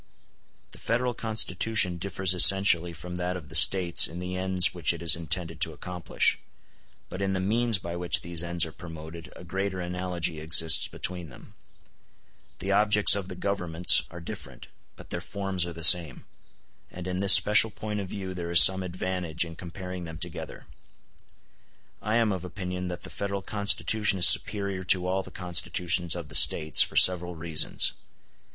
The Federal Constitution differs essentially from that of the States in the ends which it is intended to accomplish, but in the means by which these ends are promoted a greater analogy exists between them. The objects of the Governments are different, but their forms are the same; and in this special point of view there is some advantage in comparing them together. I am of opinion that the Federal Constitution is superior to all the Constitutions of the States, for several reasons.